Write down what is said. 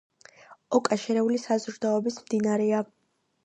ოკა შერეული საზრდოობის მდინარეა.